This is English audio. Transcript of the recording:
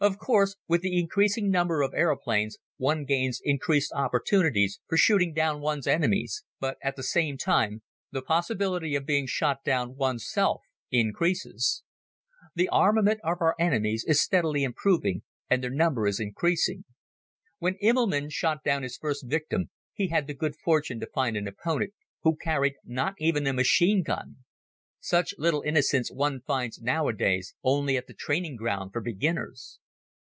Of course, with the increasing number of aeroplanes one gains increased opportunities for shooting down one's enemies, but at the same time, the possibility of being shot down one's self increases. The armament of our enemies is steadily improving and their number is increasing. When Immelmann shot down his first victim he had the good fortune to find an opponent who carried not even a machine gun. Such little innocents one finds nowadays only at the training ground for beginners.